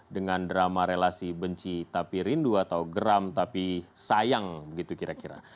dengan drama relasi benci tapi rindu atau geram tapi sayang begitu kira kira